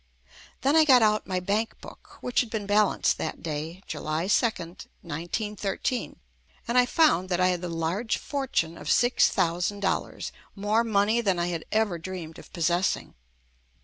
Then I got out my bank book, which had been balanced that day, July 2nd, JUST ME 1913, and I found that I had the large fortune of six thousand dollars — more money than I had ever dreamed of possessing.